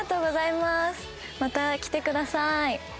また来てください。